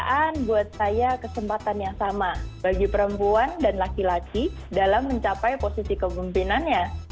pekerjaan buat saya kesempatan yang sama bagi perempuan dan laki laki dalam mencapai posisi kepemimpinannya